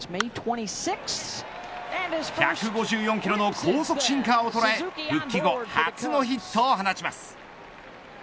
１５４キロの高速シンカーを捉え復帰後初のヒットを放ちます。